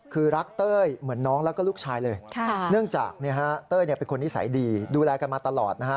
คือรักเต้ยเหมือนน้องแล้วก็ลูกชายเลยเนื่องจากเต้ยเป็นคนนิสัยดีดูแลกันมาตลอดนะฮะ